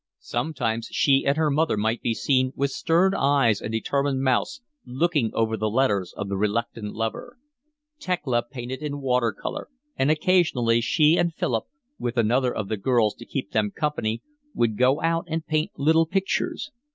Sometimes she and her mother might be seen, with stern eyes and determined mouths, looking over the letters of the reluctant lover. Thekla painted in water colour, and occasionally she and Philip, with another of the girls to keep them company, would go out and paint little pictures.